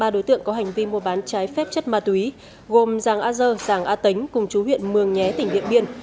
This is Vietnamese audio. ba đối tượng có hành vi mua bán trái phép chất ma túy gồm giàng a dơ giàng a tính cùng chú huyện mường nhé tỉnh điện biên